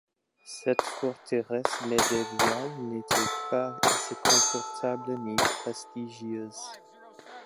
Cette forteresse médiévale n'était pas assez confortable ni prestigieuse.